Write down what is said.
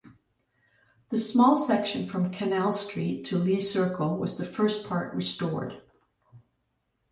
The small section from Canal Street to Lee Circle was the first part restored.